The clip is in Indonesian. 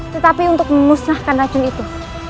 tetapi untuk memusnahkan racun itu